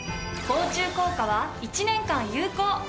防虫効果は１年間有効。